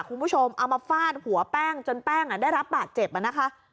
คุณผู้ชมเอามาฟาดหัวแป้งจนแป้งได้รับบาดเจ็บนะคะ